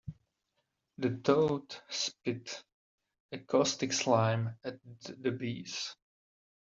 The toad spit a caustic slime at the bees.